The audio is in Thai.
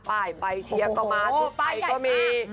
ป้ายใบเชียร์ก็มาชุดไฟก็มี